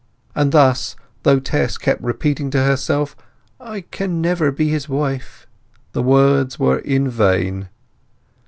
And thus, though Tess kept repeating to herself, "I can never be his wife," the words were vain.